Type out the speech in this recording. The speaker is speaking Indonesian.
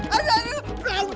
aduh aduh pelan pelan